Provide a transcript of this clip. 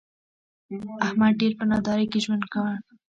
احمد ډېر په نادارۍ کې ژوند وکړ.